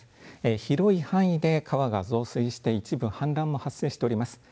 広い範囲で川が増水して一部氾濫も発生しております。